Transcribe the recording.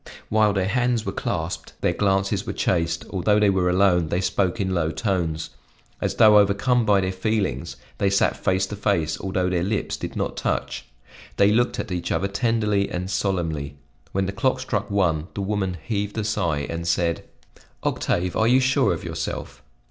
While their hands were clasped their glances were chaste; although they were alone, they spoke in low tones. As though overcome by their feelings they sat face to face, although their lips did not touch. They looked at each other tenderly and solemnly. When the clock struck one, the woman heaved a sigh and said: "Octave, are you sure of yourself?"